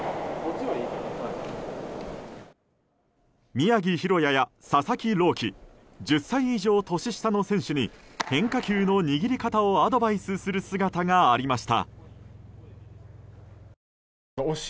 宮城大弥や佐々木朗希１０歳以上年下の選手に変化球の握り方をアドバイスする姿がありました。